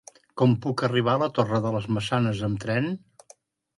Com puc arribar a la Torre de les Maçanes amb tren?